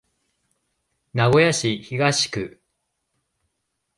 名古屋市東区